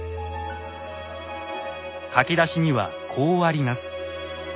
書き出しにはこうあります。